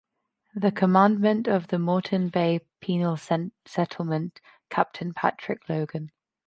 The Commandant of the Moreton Bay Penal Settlement, Captain Patrick Logan.